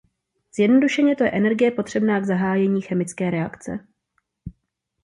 Zjednodušeně to je energie potřebná k zahájení chemické reakce.